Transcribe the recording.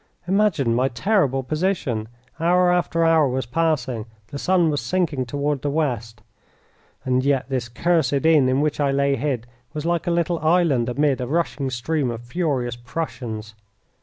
Imagine my terrible position! Hour after hour was passing; the sun was sinking toward the west. And yet this cursed inn, in which I lay hid, was like a little island amid a rushing stream of furious Prussians.